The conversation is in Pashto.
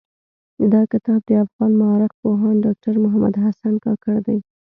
دا کتاب د افغان مٶرخ پوهاند ډاکټر محمد حسن کاکړ دٸ.